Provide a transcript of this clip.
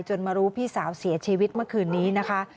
มารู้พี่สาวเสียชีวิตเมื่อคืนนี้นะคะ